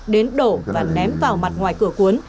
đến đổ và ném vào mặt ngoài cửa cuốn